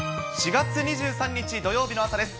４月２３日土曜日の朝です。